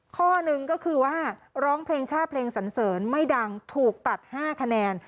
ข้อหนึ่งก็คือว่าร้องเพลงชาติเพลงสันเสริญไม่ดังถูกตัด๕คะแนน